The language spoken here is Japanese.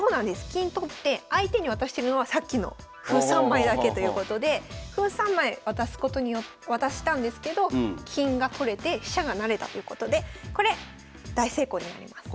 金取って相手に渡してるのはさっきの歩３枚だけということで歩３枚渡したんですけど金が取れて飛車が成れたということでこれ大成功になります。